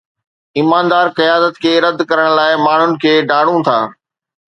ايماندار قيادت کي رد ڪرڻ لاءِ ماڻهن کي ڊاڙون ٿا